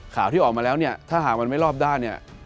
ข่าวที่ออกมาแล้วถ้าหากมันไม่รอบด้าน